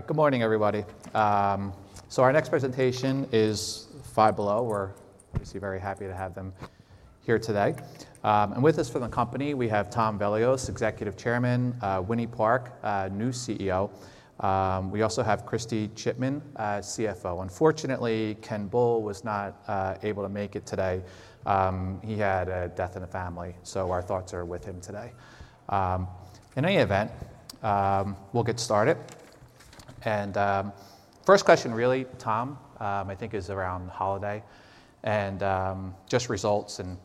Good morning, everybody. So our next presentation is Five Below. We're obviously very happy to have them here today. And with us from the company, we have Tom Vellios, Executive Chairman, Winnie Park, new CEO. We also have Kristy Chipman, CFO. Unfortunately, Ken Bull was not able to make it today. He had a death in the family, so our thoughts are with him today. In any event, we'll get started. And first question, really, Tom, I think, is around the holiday and just results and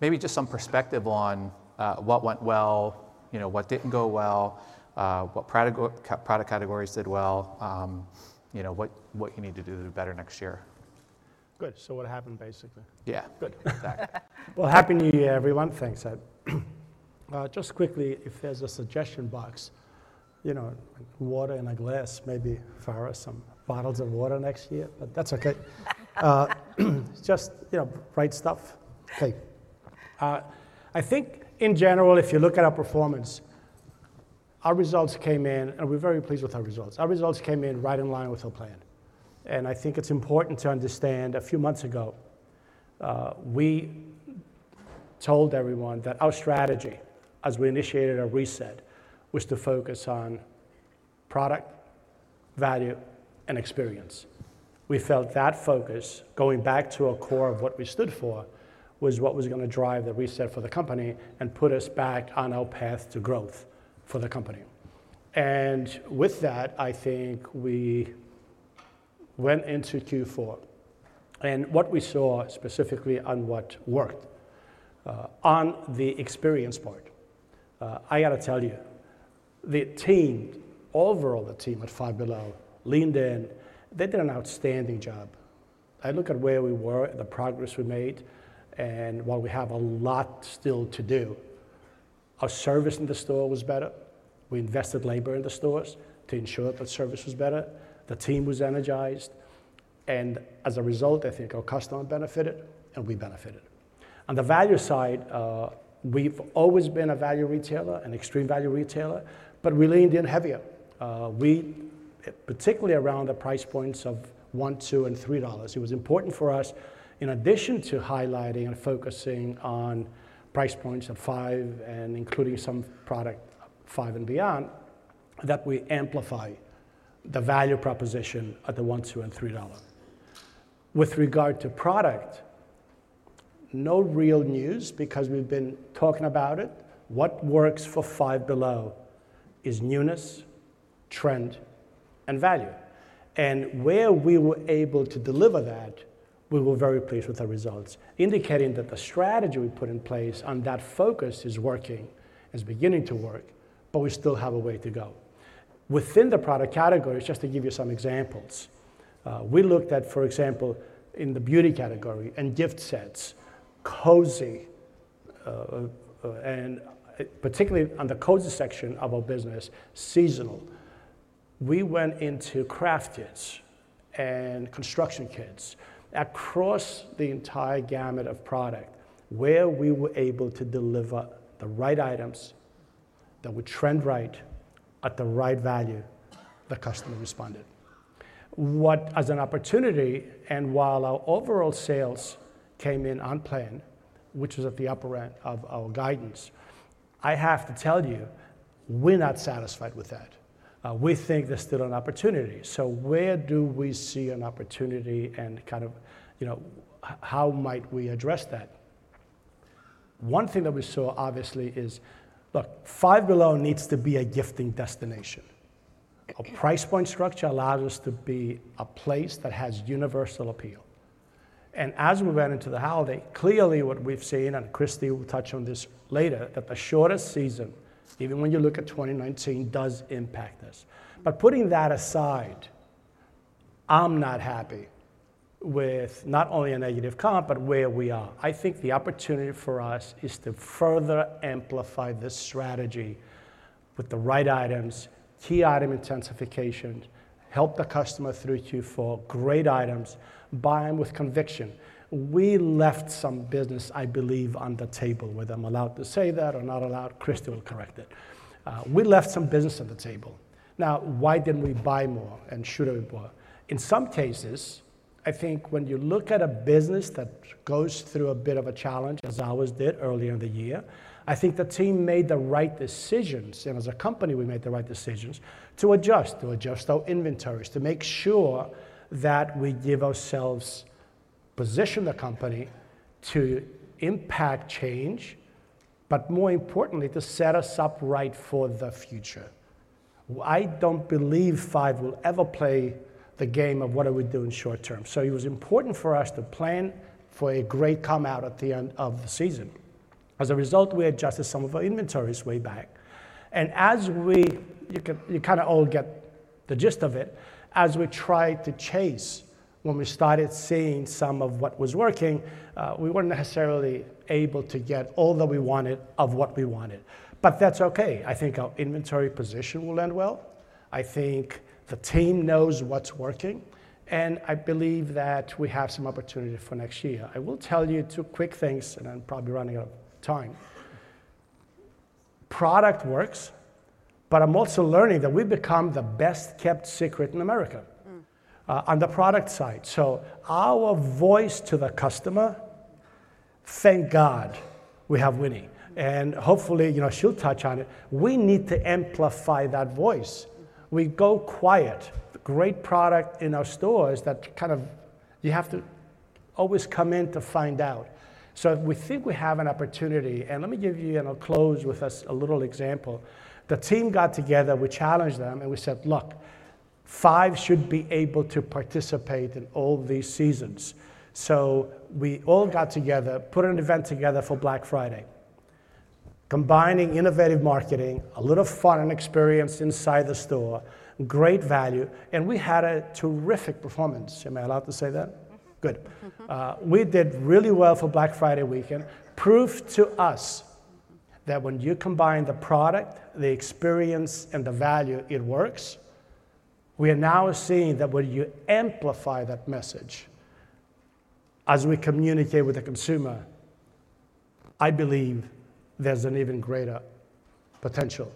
maybe just some perspective on what went well, what didn't go well, what product categories did well, what you need to do better next year. Good. So what happened, basically? Yeah. Good. Exactly. Happy New Year, everyone. Thanks, Ed. Just quickly, if there's a suggestion box, you know, water in a glass, maybe fire some bottles of water next year, but that's OK. Just, you know, right stuff. OK. I think, in general, if you look at our performance, our results came in, and we're very pleased with our results. Our results came in right in line with our plan, and I think it's important to understand a few months ago, we told everyone that our strategy, as we initiated our reset, was to focus on product, value, and experience. We felt that focus, going back to our core of what we stood for, was what was going to drive the reset for the company and put us back on our path to growth for the company, and with that, I think we went into Q4, and what we saw specifically on what worked on the experience part, I got to tell you, the team, overall, the team at Five Below leaned in. They did an outstanding job. I look at where we were, the progress we made, and while we have a lot still to do, our service in the store was better. We invested labor in the stores to ensure that service was better. The team was energized, and as a result, I think our customer benefited, and we benefited. On the value side, we've always been a value retailer, an extreme value retailer, but we leaned in heavier, particularly around the price points of $1, $2, and $3. It was important for us, in addition to highlighting and focusing on price points of $5 and including some product $5 and beyond, that we amplify the value proposition at the $1, $2, and $3. With regard to product, no real news, because we've been talking about it. What works for Five Below is newness, trend, and value. Where we were able to deliver that, we were very pleased with our results, indicating that the strategy we put in place on that focus is working, is beginning to work, but we still have a way to go. Within the product category, just to give you some examples, we looked at, for example, in the beauty category and gift sets, cozy, and particularly on the cozy section of our business, seasonal. We went into craft kits and construction kits across the entire gamut of product, where we were able to deliver the right items that would trend right at the right value. The customer responded. That, as an opportunity, and while our overall sales came in as planned, which was at the upper end of our guidance, I have to tell you, we're not satisfied with that. We think there's still an opportunity. So where do we see an opportunity and kind of how might we address that? One thing that we saw, obviously, is, look, Five Below needs to be a gifting destination. A price point structure allows us to be a place that has universal appeal. And as we went into the holiday, clearly, what we've seen, and Kristy will touch on this later, that the shortest season, even when you look at 2019, does impact us. But putting that aside, I'm not happy with not only a negative comp, but where we are. I think the opportunity for us is to further amplify this strategy with the right items, key item intensification, help the customer through Q4, great items, buy them with conviction. We left some business, I believe, on the table, whether I'm allowed to say that or not allowed. Kristy will correct it. We left some business on the table. Now, why didn't we buy more and should have bought? In some cases, I think when you look at a business that goes through a bit of a challenge, as I always did earlier in the year, I think the team made the right decisions. And as a company, we made the right decisions to adjust, to adjust our inventories, to make sure that we give ourselves position the company to impact change, but more importantly, to set us up right for the future. I don't believe Five will ever play the game of what are we doing short term. So it was important for us to plan for a great come out at the end of the season. As a result, we adjusted some of our inventories way back. And as we all kind of get the gist of it, as we tried to chase, when we started seeing some of what was working, we weren't necessarily able to get all that we wanted of what we wanted. But that's OK. I think our inventory position will end well. I think the team knows what's working. And I believe that we have some opportunity for next year. I will tell you two quick things, and I'm probably running out of time. Product works, but I'm also learning that we've become the best-kept secret in America on the product side. So our voice to the customer, thank God we have Winnie. And hopefully, she'll touch on it. We need to amplify that voice. We go quiet. Great product in our stores that kind of you have to always come in to find out. So we think we have an opportunity. And let me give you, and I'll close with a little example. The team got together. We challenged them. And we said, look, Five should be able to participate in all these seasons. So we all got together, put an event together for Black Friday, combining innovative marketing, a little fun and experience inside the store, great value. And we had a terrific performance. Am I allowed to say that? Mm-hmm. Good. We did really well for Black Friday weekend, proof to us that when you combine the product, the experience, and the value, it works. We are now seeing that when you amplify that message as we communicate with the consumer, I believe there's an even greater potential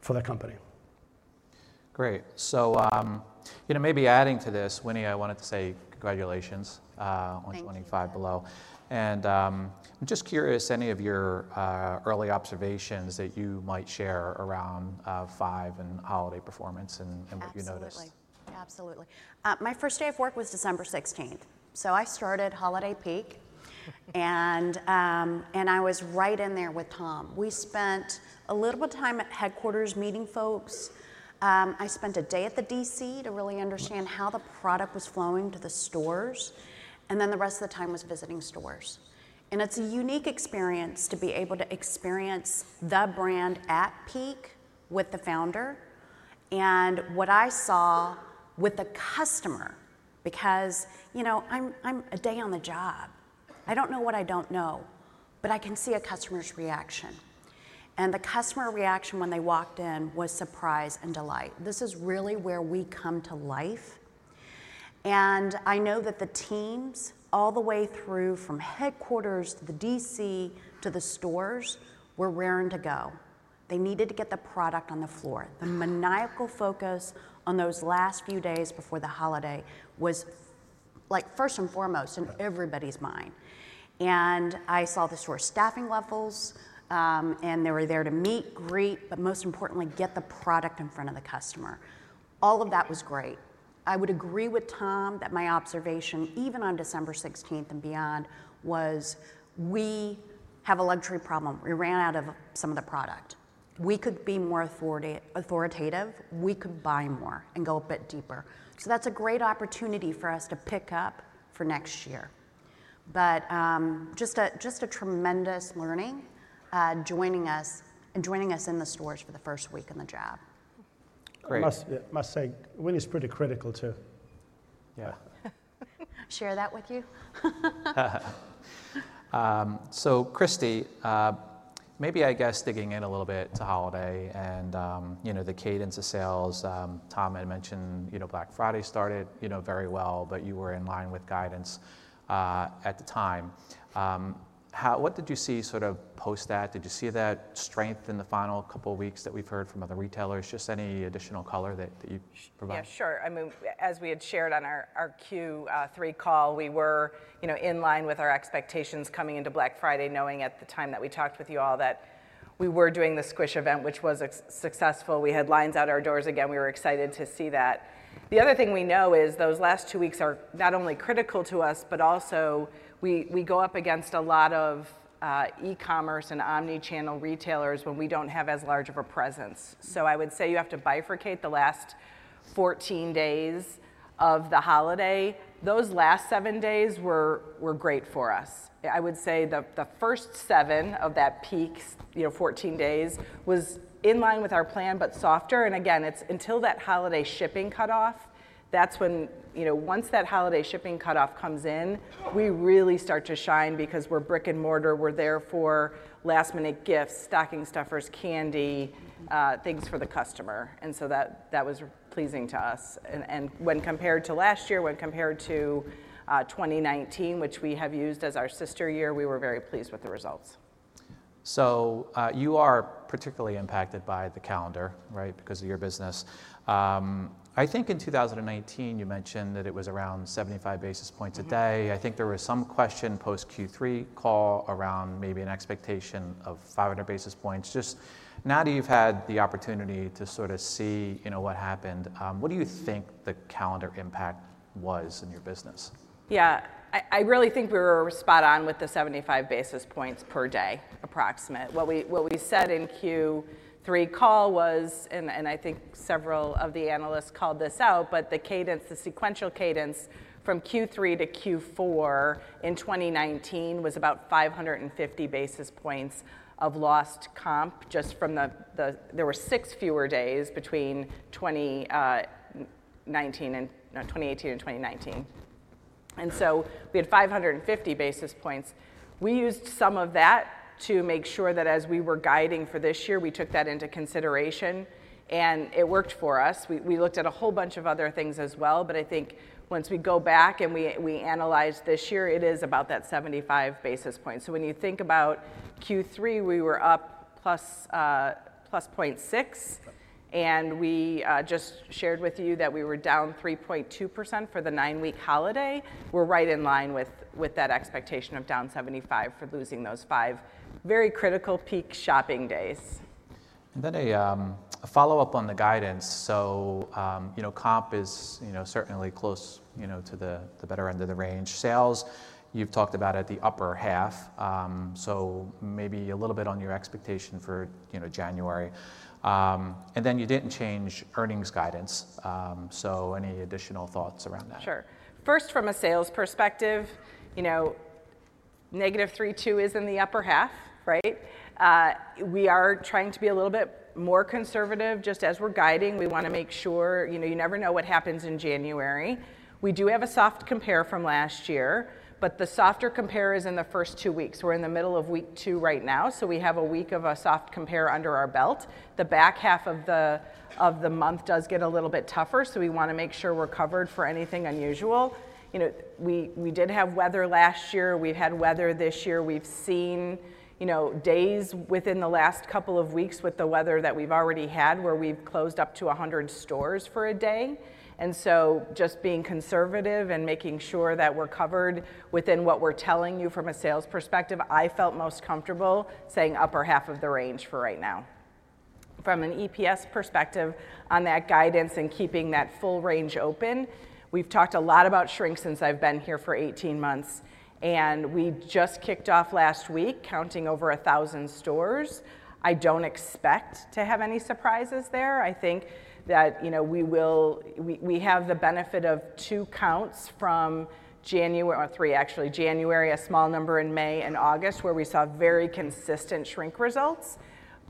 for the company. Great. So maybe adding to this, Winnie, I wanted to say congratulations on joining Five Below. And I'm just curious any of your early observations that you might share around Five and holiday performance and what you noticed. Absolutely. Absolutely. My first day of work was December 16. So I started holiday peak. And I was right in there with Tom. We spent a little bit of time at headquarters meeting folks. I spent a day at the DC to really understand how the product was flowing to the stores. And then the rest of the time was visiting stores. And it's a unique experience to be able to experience the brand at peak with the founder and what I saw with the customer, because I'm a day on the job. I don't know what I don't know, but I can see a customer's reaction. And the customer reaction when they walked in was surprise and delight. This is really where we come to life. And I know that the teams, all the way through from headquarters to the DC to the stores, were raring to go. They needed to get the product on the floor. The maniacal focus on those last few days before the holiday was, first and foremost, in everybody's mind. And I saw the store staffing levels. And they were there to meet, greet, but most importantly, get the product in front of the customer. All of that was great. I would agree with Tom that my observation, even on December 16 and beyond, was we have a luxury problem. We ran out of some of the product. We could be more authoritative. We could buy more and go a bit deeper. So that's a great opportunity for us to pick up for next year. But just a tremendous learning in joining us in the stores for the first week on the job. Must say, Winnie's pretty critical, too. Share that with you? So, Kristy, maybe I guess digging in a little bit to holiday and the cadence of sales. Tom had mentioned Black Friday started very well, but you were in line with guidance at the time. What did you see sort of post that? Did you see that strength in the final couple of weeks that we've heard from other retailers? Just any additional color that you provide? Yeah, sure. I mean, as we had shared on our Q3 call, we were in line with our expectations coming into Black Friday, knowing at the time that we talked with you all that we were doing the Squish event, which was successful. We had lines out our doors again. We were excited to see that. The other thing we know is those last two weeks are not only critical to us, but also we go up against a lot of e-commerce and omnichannel retailers when we don't have as large of a presence. So I would say you have to bifurcate the last 14 days of the holiday. Those last seven days were great for us. I would say the first seven of that peak, 14 days, was in line with our plan, but softer. And again, it's until that holiday shipping cutoff. That's when once that holiday shipping cutoff comes in, we really start to shine because we're brick and mortar. We're there for last-minute gifts, stocking stuffers, candy, things for the customer. And so that was pleasing to us. And when compared to last year, when compared to 2019, which we have used as our sister year, we were very pleased with the results. So you are particularly impacted by the calendar, right, because of your business. I think in 2019, you mentioned that it was around 75 basis points a day. I think there was some question post-Q3 call around maybe an expectation of 500 basis points. Just now that you've had the opportunity to sort of see what happened, what do you think the calendar impact was in your business? Yeah. I really think we were spot on with the 75 basis points per day, approximate. What we said in Q3 call was, and I think several of the analysts called this out, but the sequential cadence from Q3 to Q4 in 2019 was about 550 basis points of lost comp just from the there were six fewer days between 2018 and 2019. And so we had 550 basis points. We used some of that to make sure that as we were guiding for this year, we took that into consideration. And it worked for us. We looked at a whole bunch of other things as well. But I think once we go back and we analyze this year, it is about that 75 basis points. So when you think about Q3, we were up plus 0.6%. We just shared with you that we were down 3.2% for the nine-week holiday. We're right in line with that expectation of down 75 for losing those five very critical peak shopping days. Then a follow-up on the guidance. So comp is certainly close to the better end of the range. Sales, you've talked about at the upper half. So maybe a little bit on your expectation for January. Then you didn't change earnings guidance. So any additional thoughts around that? Sure. First, from a sales perspective, -3.2% is in the upper half, right? We are trying to be a little bit more conservative. Just as we're guiding, we want to make sure you never know what happens in January. We do have a soft compare from last year. But the softer compare is in the first two weeks. We're in the middle of week two right now. So we have a week of a soft compare under our belt. The back half of the month does get a little bit tougher. So we want to make sure we're covered for anything unusual. We did have weather last year. We've had weather this year. We've seen days within the last couple of weeks with the weather that we've already had where we've closed up to 100 stores for a day. Just being conservative and making sure that we're covered within what we're telling you from a sales perspective, I felt most comfortable saying upper half of the range for right now. From an EPS perspective on that guidance and keeping that full range open, we've talked a lot about shrink since I've been here for 18 months. We just kicked off last week counting over 1,000 stores. I don't expect to have any surprises there. I think that we have the benefit of two counts from January or three, actually, January, a small number in May and August, where we saw very consistent shrink results.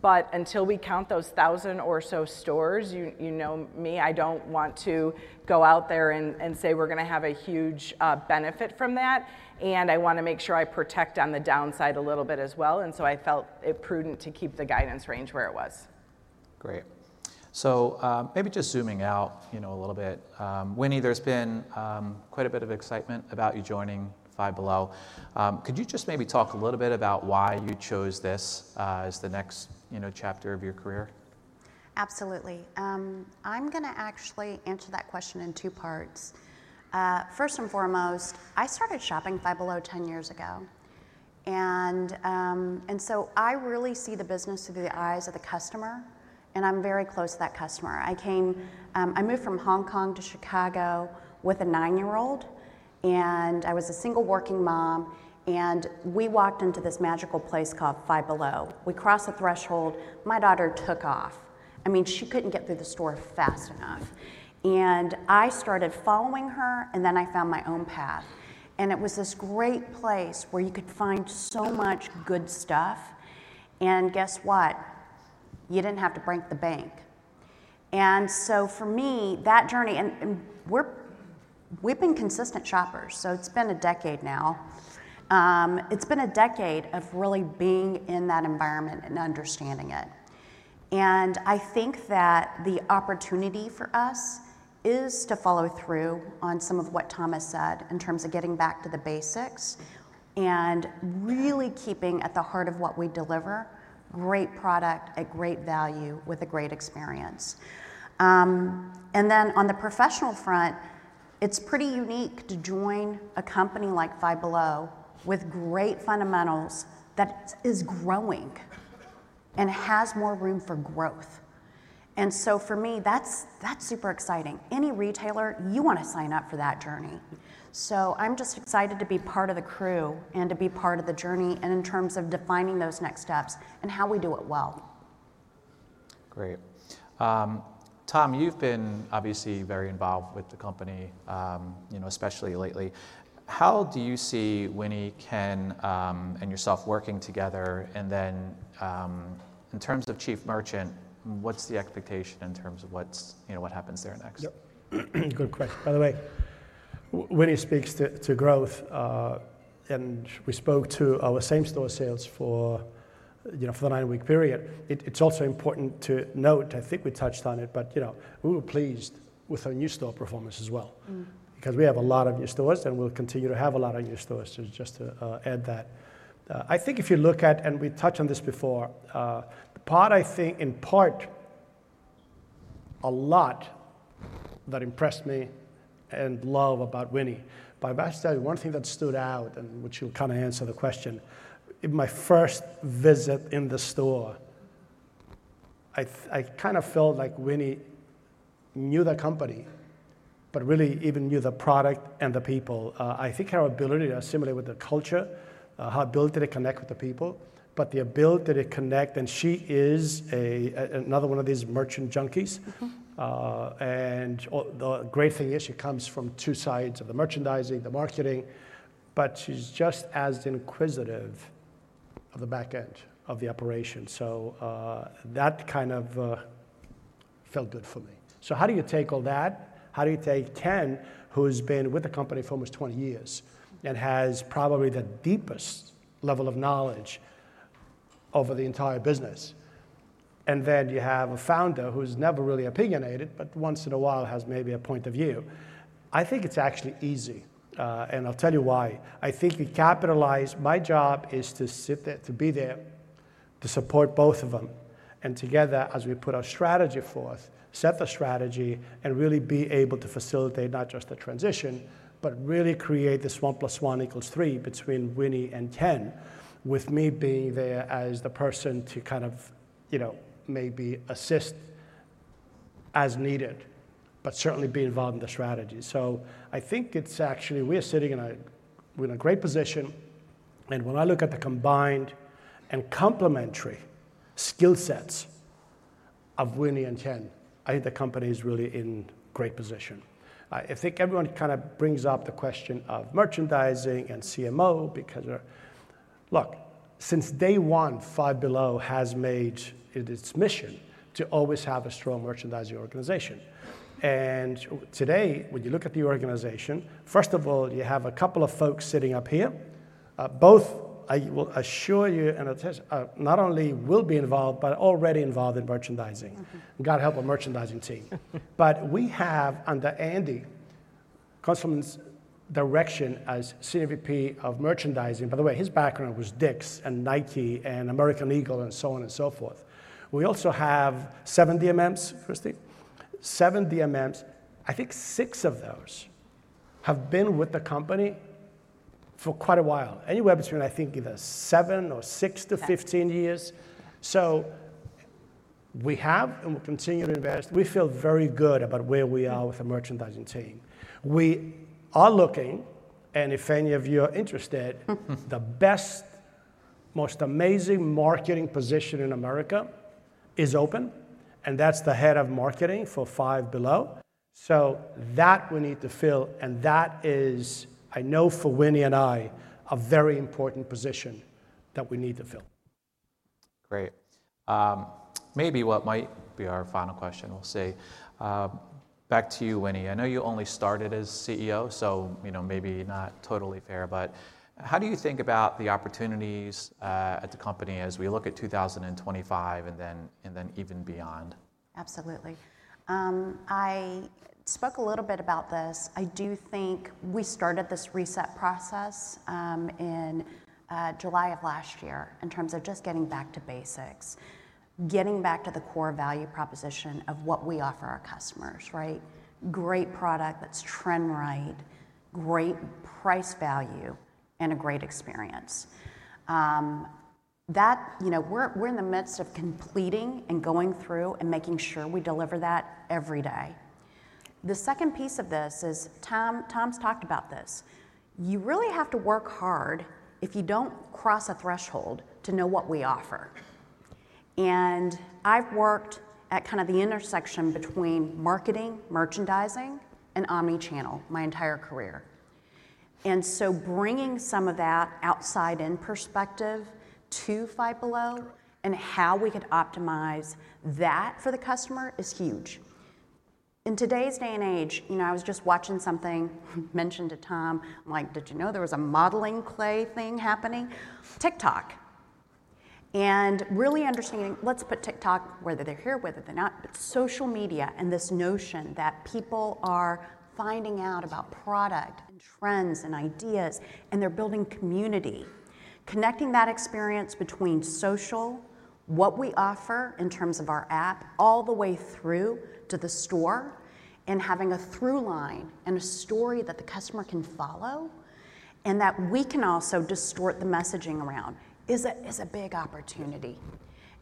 Until we count those 1,000 or so stores, you know me, I don't want to go out there and say we're going to have a huge benefit from that. I want to make sure I protect on the downside a little bit as well. So I felt it prudent to keep the guidance range where it was. Great. So maybe just zooming out a little bit. Winnie, there's been quite a bit of excitement about you joining Five Below. Could you just maybe talk a little bit about why you chose this as the next chapter of your career? Absolutely. I'm going to actually answer that question in two parts. First and foremost, I started shopping Five Below 10 years ago, and so I really see the business through the eyes of the customer, and I'm very close to that customer. I moved from Hong Kong to Chicago with a nine-year-old, and I was a single working mom, and we walked into this magical place called Five Below. We crossed the threshold. My daughter took off. I mean, she couldn't get through the store fast enough, and I started following her, and then I found my own path, and it was this great place where you could find so much good stuff. And guess what? You didn't have to break the bank, and so for me, that journey and we've been consistent shoppers. So it's been a decade now. It's been a decade of really being in that environment and understanding it, and I think that the opportunity for us is to follow through on some of what Thomas said in terms of getting back to the basics and really keeping at the heart of what we deliver great product at great value with a great experience, and then on the professional front, it's pretty unique to join a company like Five Below with great fundamentals that is growing and has more room for growth, and so for me, that's super exciting. Any retailer, you want to sign up for that journey, so I'm just excited to be part of the crew and to be part of the journey and in terms of defining those next steps and how we do it well. Great. Tom, you've been obviously very involved with the company, especially lately. How do you see Winnie and yourself working together? And then in terms of chief merchant, what's the expectation in terms of what happens there next? Good question. By the way, when he speaks to growth and we spoke to our same store sales for the nine-week period, it's also important to note. I think we touched on it, but we were pleased with our new store performance as well because we have a lot of new stores. And we'll continue to have a lot of new stores, just to add that. I think if you look at and we touched on this before, the part I think in part a lot that impressed me and love about Winnie, by the way. I'll tell you one thing that stood out and which will kind of answer the question. In my first visit in the store, I kind of felt like Winnie knew the company, but really even knew the product and the people. I think her ability to assimilate with the culture, her ability to connect with the people, but the ability to connect, and she is another one of these merchant junkies. And the great thing is she comes from two sides of the merchandising, the marketing. But she's just as inquisitive of the back end of the operation. So that kind of felt good for me. So how do you take all that? How do you take Ken Bull who's been with the company for almost 20 years and has probably the deepest level of knowledge over the entire business? And then you have a founder who's never really opinionated, but once in a while has maybe a point of view. I think it's actually easy. And I'll tell you why. I think we capitalize. My job is to be there to support both of them. Together, as we put our strategy forth, set the strategy, and really be able to facilitate not just the transition, but really create this 1 plus 1 equals 3 between Winnie and Ken, with me being there as the person to kind of maybe assist as needed, but certainly be involved in the strategy. So I think it's actually we're sitting in a great position. And when I look at the combined and complementary skill sets of Winnie and Ken, I think the company is really in great position. I think everyone kind of brings up the question of merchandising and CMO because look, since day one, Five Below has made it its mission to always have a strong merchandising organization. And today, when you look at the organization, first of all, you have a couple of folks sitting up here. Both, I will assure you, not only will be involved, but already involved in merchandising. God help our merchandising team. But we have, under Andy Klosterman's direction as SVP of merchandising by the way, his background was Dick's and Nike and American Eagle and so on and so forth. We also have seven DMMs, Kristy. Seven DMMs. I think six of those have been with the company for quite a while, anywhere between, I think, either seven or six to 15 years. So we have and we'll continue to invest. We feel very good about where we are with the merchandising team. We are looking. And if any of you are interested, the best, most amazing marketing position in America is open. And that's the head of marketing for Five Below. So that we need to fill. That is, I know for Winnie and I, a very important position that we need to fill. Great. Maybe what might be our final question, we'll see. Back to you, Winnie. I know you only started as CEO, so maybe not totally fair. But how do you think about the opportunities at the company as we look at 2025 and then even beyond? Absolutely. I spoke a little bit about this. I do think we started this reset process in July of last year in terms of just getting back to basics, getting back to the core value proposition of what we offer our customers, right? Great product that's trend right, great price value, and a great experience. We're in the midst of completing and going through and making sure we deliver that every day. The second piece of this is Tom's talked about this. You really have to work hard if you don't cross a threshold to know what we offer. And I've worked at kind of the intersection between marketing, merchandising, and omnichannel my entire career. And so bringing some of that outside-in perspective to Five Below and how we could optimize that for the customer is huge. In today's day and age, I was just watching something mentioned to Tom. I'm like, did you know there was a modeling clay thing happening? TikTok. And really understanding, let's put TikTok, whether they're here, whether they're not, but social media and this notion that people are finding out about product and trends and ideas. And they're building community, connecting that experience between social, what we offer in terms of our app, all the way through to the store, and having a through line and a story that the customer can follow, and that we can also distort the messaging around is a big opportunity.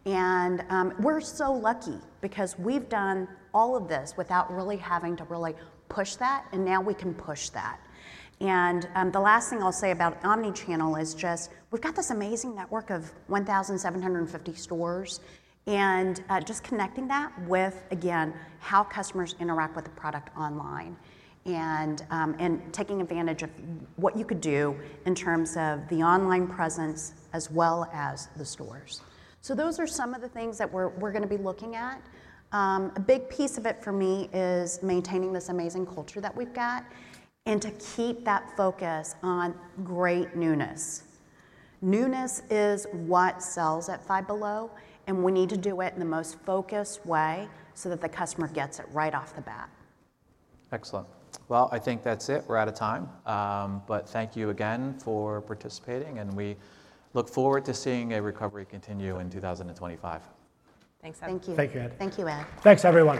And we're so lucky because we've done all of this without really having to really push that. And now we can push that. And the last thing I'll say about omnichannel is just we've got this amazing network of 1,750 stores. And just connecting that with, again, how customers interact with the product online and taking advantage of what you could do in terms of the online presence as well as the stores. So those are some of the things that we're going to be looking at. A big piece of it for me is maintaining this amazing culture that we've got and to keep that focus on great newness. Newness is what sells at Five Below. And we need to do it in the most focused way so that the customer gets it right off the bat. Excellent. Well, I think that's it. We're out of time. But thank you again for participating, and we look forward to seeing a recovery continue in 2025. Thanks, everyone. Thank you. Thank you, Ed. Thank you, Ed. Thanks, everyone.